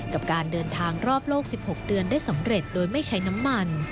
กับการเดินทางรอบโลก๑๖เดือนได้สำเร็จโดยไม่ใช้น้ำมัน